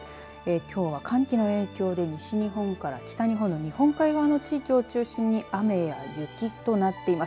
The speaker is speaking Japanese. きょうは寒気の影響で西日本から北日本の日本海側の地域を中心に雨や雪となっています。